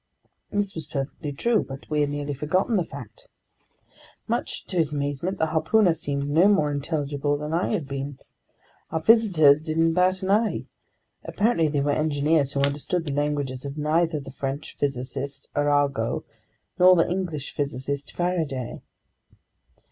This was perfectly true, but we had nearly forgotten the fact. Much to his amazement, the harpooner seemed no more intelligible than I had been. Our visitors didn't bat an eye. Apparently they were engineers who understood the languages of neither the French physicist Arago nor the English physicist Faraday.